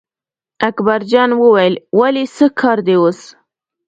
اکبرجان وویل ولې څه کار دی اوس.